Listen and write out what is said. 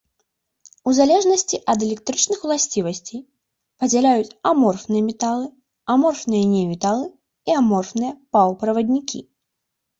У залежнасці ад электрычных уласцівасцей, падзяляюць аморфныя металы, аморфныя неметалы і аморфныя паўправаднікі.